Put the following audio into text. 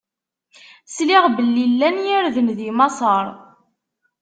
Sliɣ belli llan yirden di Maṣer.